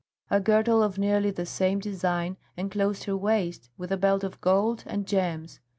A girdle of nearly the same design enclosed her waist with a belt of gold and gems.